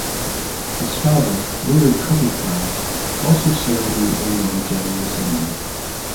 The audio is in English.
His father Willard Cutting Flagg also served in the Illinois General Assembly.